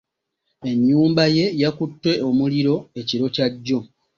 Ennyumba ye yakutte omuliro ekiro kya jjo.